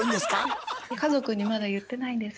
家族にまだ言ってないんです。